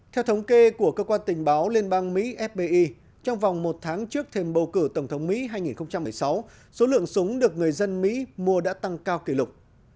theo thống kê của cơ quan tình báo liên bang mỹ fbi trong vòng một tháng trước thêm bầu cử tổng thống mỹ hai nghìn một mươi sáu số lượng súng được người dân mỹ mua đã tăng cao kỷ lục